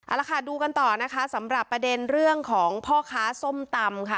เอาละค่ะดูกันต่อนะคะสำหรับประเด็นเรื่องของพ่อค้าส้มตำค่ะ